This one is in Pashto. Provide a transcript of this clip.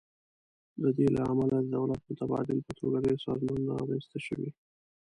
د دې له امله د دولت متبادل په توګه ډیر سازمانونه رامینځ ته شوي.